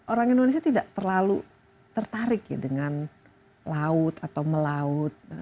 orang indonesia tidak terlalu tertarik ya dengan laut atau melaut